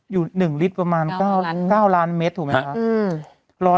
อยู่๑ลิตรประมาณ๙ล้านเมตรถูกไหมคะ